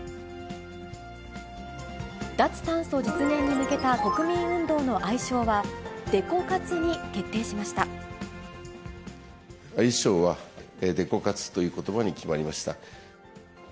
脱炭素実現に向けた国民運動の愛称は、愛称は、デコ活ということばに決まりました。